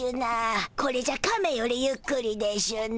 これじゃカメよりゆっくりでしゅな。